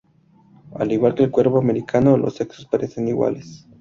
Al igual que el cuervo americano, los sexos parecen iguales.